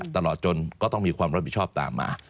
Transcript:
ตลอดจนก็ต้องมีความรับผิดชอบตามมา